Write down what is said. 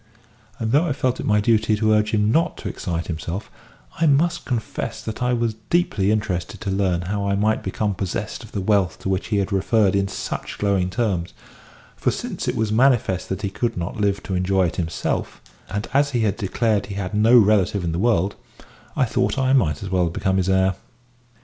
And though I felt it my duty to urge him not to excite himself, I must confess that I was deeply interested to learn how I might become possessed of the wealth to which he had referred in such glowing terms; for since it was manifest that he could not live to enjoy it himself, and as he had declared he had no relative in the world, I thought I might as well become his heir.